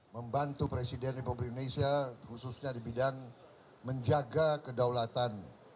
membantu presiden republik indonesia khususnya di bidang menjaga kedaulatan